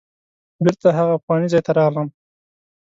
بیرته هغه پخواني ځای ته راغلم.